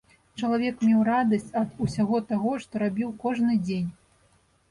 Чалавек меў радасць ад усяго таго, што рабіў кожны дзень.